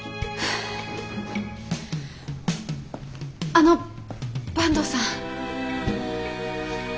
あの坂東さん。